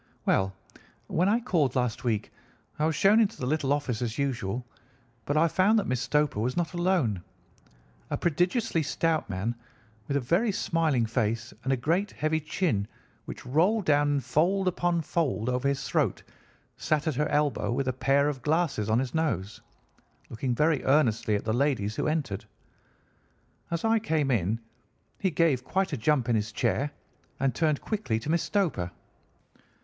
"Well, when I called last week I was shown into the little office as usual, but I found that Miss Stoper was not alone. A prodigiously stout man with a very smiling face and a great heavy chin which rolled down in fold upon fold over his throat sat at her elbow with a pair of glasses on his nose, looking very earnestly at the ladies who entered. As I came in he gave quite a jump in his chair and turned quickly to Miss Stoper.